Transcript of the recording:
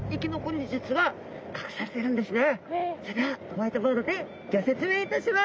それではホワイトボードでギョ説明いたします。